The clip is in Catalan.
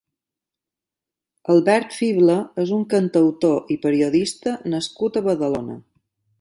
Albert Fibla és un cantautor i periodista nascut a Badalona.